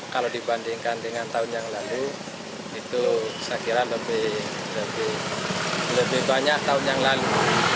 kalau dibandingkan dengan tahun yang lalu itu saya kira lebih banyak tahun yang lalu